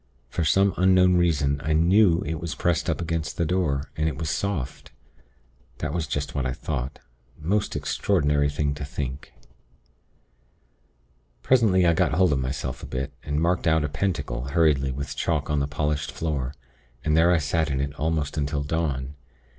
For some unknown reason I knew it was pressed up against the door, and it was soft. That was just what I thought. Most extraordinary thing to think. "Presently I got hold of myself a bit, and marked out a pentacle hurriedly with chalk on the polished floor; and there I sat in it almost until dawn.